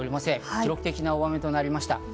記録的な大雨となりました。